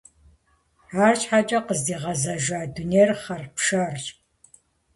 Арщхьэкӏэ къыздигъэзэжа дунейр хъарпшэрщ.